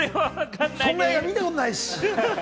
そんな映画見たことないし。